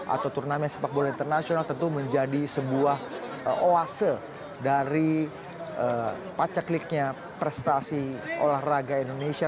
atau turnamen sepak bola internasional tentu menjadi sebuah oase dari pacekliknya prestasi olahraga indonesia